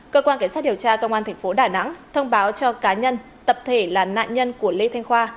cơ quan cảnh sát điều tra công an tp đà nẵng thông báo cho cá nhân tập thể là nạn nhân của lê thanh khoa